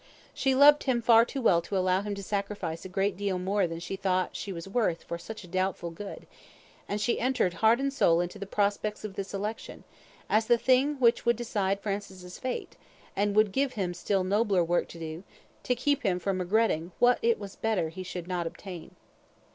She loved him far too well to allow him to sacrifice a great deal more than she thought she was worth for such a doubtful good, and she entered heart and soul into the prospects of this election, as the thing which would decide Francis' fate, and would give him still nobler work to do, to keep him from regretting what it was better he should not obtain.